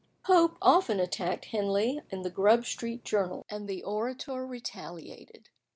Pope often attacked Henley in the Grub Street Journal, and the Orator retaliated.